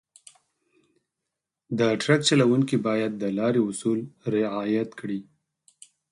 د ټرک چلونکي باید د لارې اصول رعایت کړي.